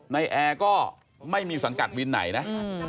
แอร์ก็ไม่มีสังกัดวินไหนนะ